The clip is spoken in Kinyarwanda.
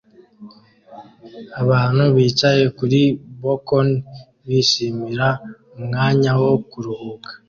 Abantu bicaye kuri bkoni bishimira umwanya wo kuruhuka